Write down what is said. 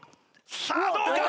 さあどうか？